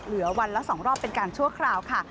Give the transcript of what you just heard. เหลือวันละ๒รอบเป็นการชั่วคราวค่ะ